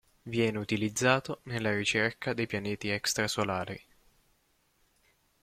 Viene utilizzato nella ricerca dei pianeti extrasolari.